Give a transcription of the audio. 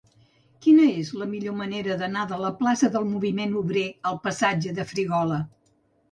Quina és la millor manera d'anar de la plaça del Moviment Obrer al passatge de Frígola?